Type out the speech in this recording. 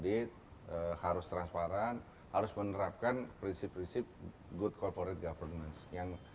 bersedia diaudit harus transparan harus menerapkan prinsip prinsip good corporate government yang